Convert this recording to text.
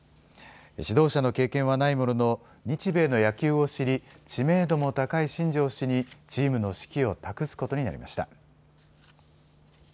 指導者の経験はないものの日米の野球を知り、知名度も高い新庄氏にチームの指揮を託すことになりました。